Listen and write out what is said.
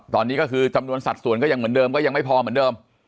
ตอนนี้ก็คือจำนวนสัดส่วนก็ยังเหมือนเดิมก็ยังไม่พอเหมือนเดิม